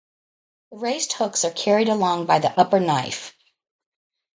The raised hooks are carried along by the upper knife.